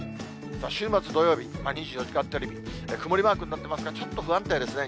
週末土曜日、２４時間テレビ、曇りマークになってますが、ちょっと不安定ですね。